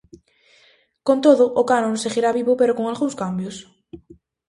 Con todo, o canon seguirá vivo pero con algúns cambios.